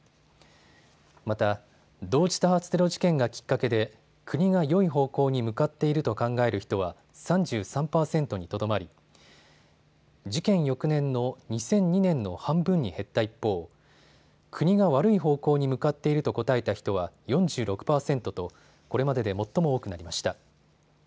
また、同時多発テロ事件がきっかけで国がよい方向に向かっていると考える人は３３％にとどまり、事件翌年の２００２年の半分に減った一方、国が悪い方向に向かっていると答えた人は４６％とこれまでで最も多くなりました。